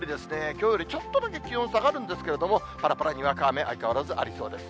きょうよりちょっとだけ気温下がるんですけれども、ぱらぱら、にわか雨相変わらずありそうです。